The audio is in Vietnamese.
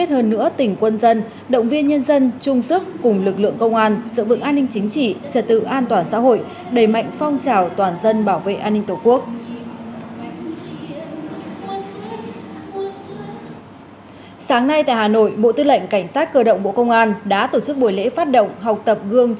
huyện mỹ đức tp hà nội